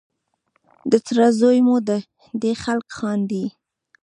د تره زوی مو دی خلک خاندي.